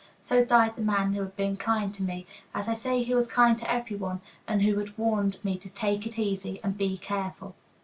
So died the man who had been kind to me (as they say he was kind to every one), and who had warned me to "take it easy and be careful."